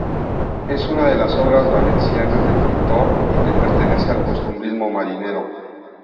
Es una de las obras valencianas del pintor, y que pertenece al costumbrismo marinero.